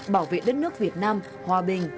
bảo vệ đất nước việt nam hòa bình